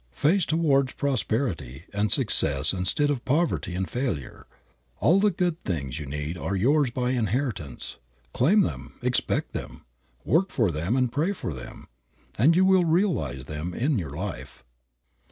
Face towards prosperity and success instead of poverty and failure. All the good things you need are yours by inheritance. Claim them, expect them, work for them, pray for them, and you will realize them in your life.